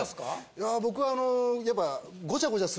いや僕あのやっぱ。